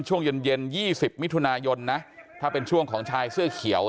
ช่วงเย็นเย็น๒๐มิถุนายนนะถ้าเป็นช่วงของชายเสื้อเขียว